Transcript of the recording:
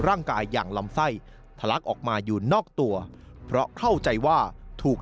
ร่างกายอย่างลำไส้ทะลักออกมาอยู่นอกตัวเพราะเข้าใจว่าถูก